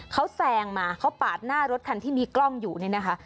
เขาแซงมาเขาปาดหน้ารถคันที่มีกล้องอยู่นี่นะคะ